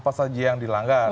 apa saja yang dilanggar